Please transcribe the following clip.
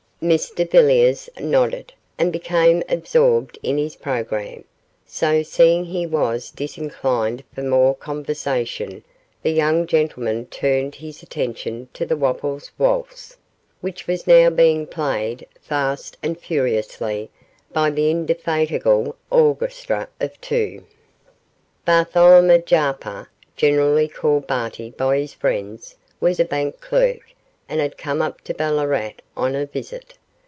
Mr Villiers nodded, and became absorbed in his programme; so, seeing he was disinclined for more conversation, the young gentleman turned his attention to the 'Wopples Waltz', which was now being played fast and furiously by the indefatigable orchestra of two. Bartholomew Jarper generally called Barty by his friends was a bank clerk, and had come up to Ballarat on a visit.